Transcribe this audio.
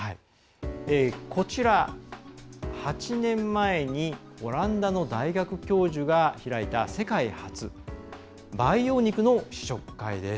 こちら、８年前にオランダの大学教授が開いた世界初培養肉の試食会です。